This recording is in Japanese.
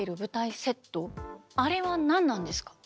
あれは何なんですか？